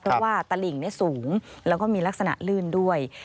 เพราะว่าตลิ่งสูงแล้วก็มีลักษณะลื่นด้วย